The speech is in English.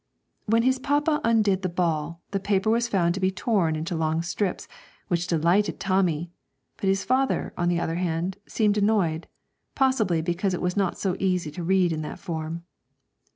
When his papa undid the ball, the paper was found to be torn into long strips, which delighted Tommy; but his father, on the other hand, seemed annoyed, possibly because it was not so easy to read in that form.